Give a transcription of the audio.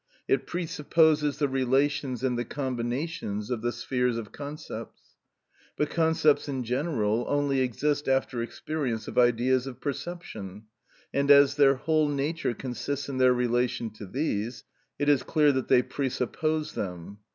It presupposes the relations and the combinations of the spheres of concepts. But concepts in general only exist after experience of ideas of perception, and as their whole nature consists in their relation to these, it is clear that they presuppose them.